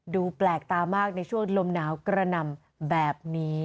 ดูแปลกตามากในช่วงลมหนาวกระหน่ำแบบนี้